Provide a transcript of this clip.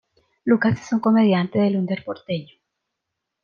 Lucas es un comediante del under porteño.